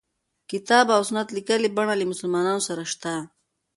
کتاب او سنت لیکلي بڼه له مسلمانانو سره شته.